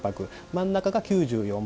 真ん中が９４％。